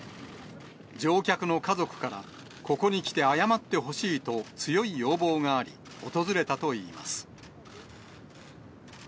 乗客の家族から、ここに来て謝ってほしいと強い要望があり、訪れたといいます。